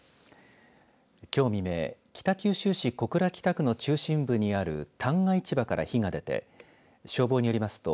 きょう未明、北九州市小倉北区の中心部にある旦過市場から火が出て消防によりますと